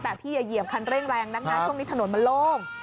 พี่อย่าเหยียบคันเร่งแรงนักนะช่วงนี้ถนนมันโล่ง